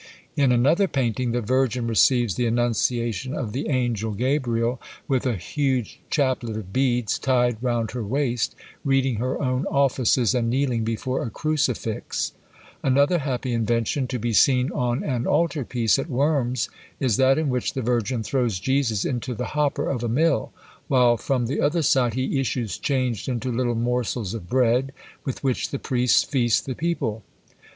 In another painting, the Virgin receives the annunciation of the angel Gabriel with a huge chaplet of beads tied round her waist, reading her own offices, and kneeling before a crucifix; another happy invention, to be seen on an altar piece at Worms, is that in which the Virgin throws Jesus into the hopper of a mill, while from the other side he issues changed into little morsels of bread, with which the priests feast the people.